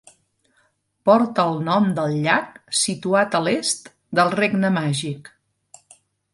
Porta el nom del llac situat a l'est del regne màgic.